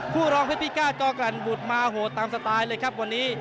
คู่รองพฤติกาดกองกลั่นบุดมาโหดตามสไตล์เลยครับวันนี้